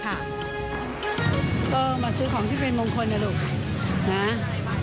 ก็มาซื้อของที่เป็นมงคลนะลูกนะ